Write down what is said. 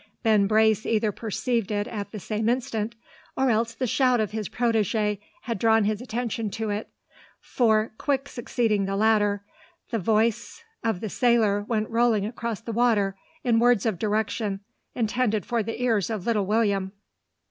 Ben Brace either perceived it at the same instant, or else the shout of his protege had drawn his attention to it; for, quick succeeding the latter, the voice of the sailor went rolling across the water in words of direction intended for the ears of little William.